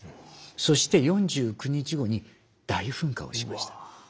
そして４９日後に大噴火をしました。